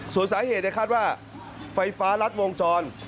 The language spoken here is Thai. ส่วนสาเหตุในคาดว่าไฟฟ้ารัดวงจร